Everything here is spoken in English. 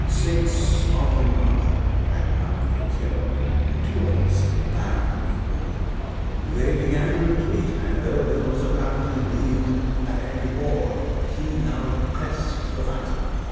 Six of the number had now been killed and two others badly wounded. They began to retreat, and though Bill was apparently bleeding at every pore, he now pressed the fighting.